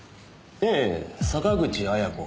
ええ坂口彩子。